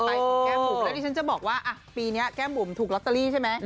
แล้วที่ฉันจะบอกว่าปีนี้แก้มบุ่มถูกรอตเตอรี่ใช่ไหม